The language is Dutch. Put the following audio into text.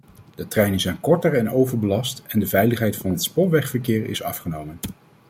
De treinen zijn korter en overbelast en de veiligheid van het spoorwegverkeer is afgenomen.